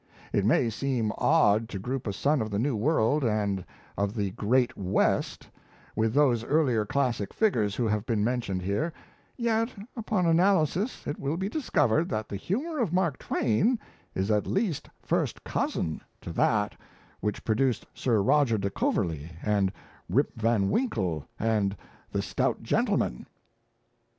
It may seem odd to group a son of the New World and of the great West with those earlier classic figures who have been mentioned here; yet upon analysis it will be discovered that the humour of Mark Twain is at least first cousin to that which produced Sir Roger de Coverley and Rip Van Winkle and The Stout Gentleman."